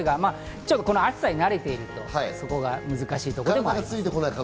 暑さに慣れていると、そこが難しいところです。